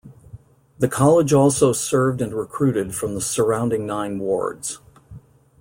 The College also served and recruited from the surrounding nine wards.